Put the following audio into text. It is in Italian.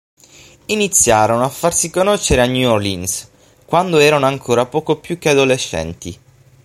Iniziarono a farsi conoscere a New Orleans quando erano ancora poco più che adolescenti.